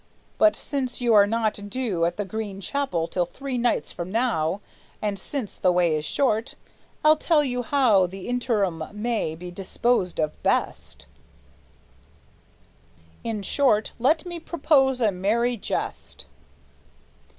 But since you are not due At the Green Chapel till three nights from now, And since the way is short, I'll tell you how The interim may be disposed of best: In short, let me propose a merry jest!"